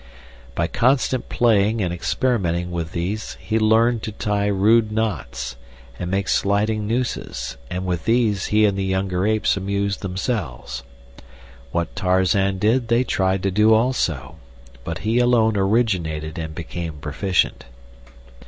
By constant playing and experimenting with these he learned to tie rude knots, and make sliding nooses; and with these he and the younger apes amused themselves. What Tarzan did they tried to do also, but he alone originated and became proficient.